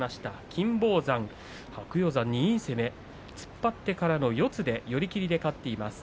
金峰山白鷹山に突っ張ってからの寄り切りで勝っています。